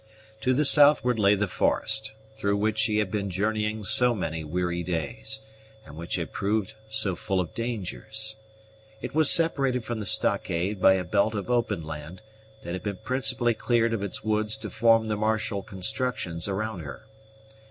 To the southward lay the forest, through which she had been journeying so many weary days, and which had proved so full of dangers. It was separated from the stockade by a belt of open land, that had been principally cleared of its woods to form the martial constructions around her.